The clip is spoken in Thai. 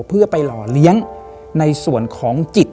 เพื่อไปหล่อเลี้ยงในส่วนของจิต